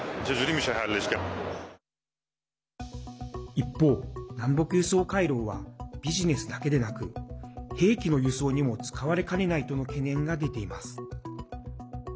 一方、南北輸送回廊はビジネスだけでなく兵器の輸送にも使われかねないとの懸念が出ています。